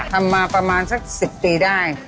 ทำมาประมาณสัก๑๐ปีได้